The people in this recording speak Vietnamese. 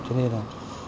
cho nên là